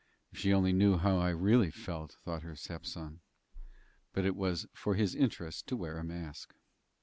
"If she only knew how I really felt," thought her stepson. But it was for his interest to wear a mask.